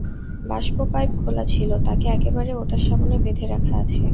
বাষ্প পাইপ খোলা ছিল, তাকে একেবারে ওটার সামনে বেঁধে রাখা আছে।